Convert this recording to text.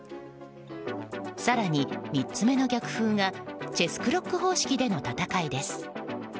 更に、３つ目の逆風がチェスクロック方式での戦いです。